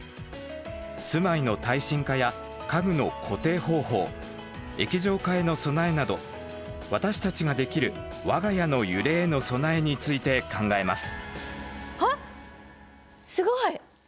「住まいの耐震化」や「家具の固定方法」「液状化への備え」など私たちができる我が家の揺れへの備えについて考えます。